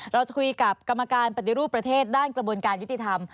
เราจะคุยกับกรรมการปฏิรูปประเทศด้านกระบวนการยุติธรรม